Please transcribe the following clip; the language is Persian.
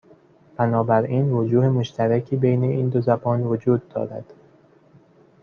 بنابراین وجوه مشترکی بین این دو زبان وجود دارد